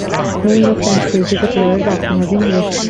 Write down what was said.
Names of French places appear as often as English.